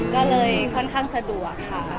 ก็เลยค่อนข้างสะดวกค่ะ